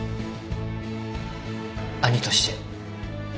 兄として。